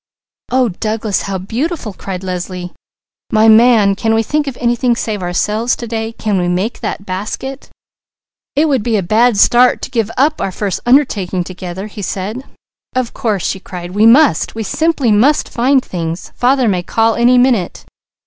"Oh Douglas, how beautiful!" cried Leslie. "My Man, can we think of anything save ourselves to day? Can we make that basket?" "It would be a bad start to give up our first undertaking together," he said. "Of course!" she cried. "We must! We simply must find things. Father may call any minute.